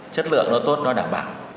chất lượng nó tốt nó đảm bảo